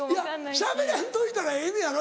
しゃべらんといたらええのやろ？